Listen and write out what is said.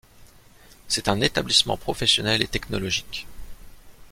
C'est un établissement professionnel et technologique.